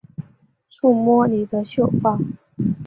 触摸你的秀发